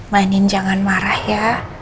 mainin jangan marah ya